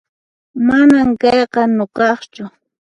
Manan kayqa nuqaqchu